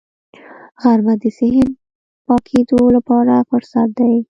غرمه د ذهن د پاکېدو لپاره فرصت دی